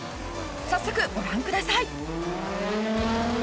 早速ご覧ください。